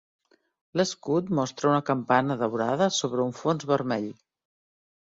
L'escut mostra una campana daurada sobre un fons vermell.